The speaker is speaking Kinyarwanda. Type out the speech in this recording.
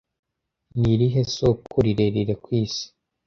Ni irihe soko rirerire ku isi